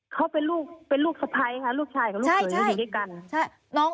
เขาเป็นลูกสะพายค่ะลูกชายกับลูกผู้หญิงด้วยกัน